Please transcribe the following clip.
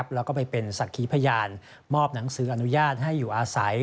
แล้วก็ไปเป็นศักดิ์ขีพยานมอบหนังสืออนุญาตให้อยู่อาศัย